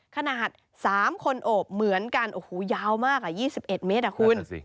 ขนาด๓คนโอบเหมือนกันโอ้โหยาวมาก๒๑เมตรคุณ